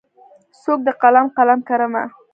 څوکې د قلم، قلم کرمه